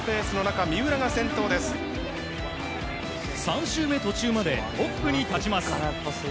３周目途中までトップに立ちます。